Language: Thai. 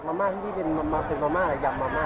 มะม่าที่นี่เป็นมะม่าเป็นมะม่ายำมะม่า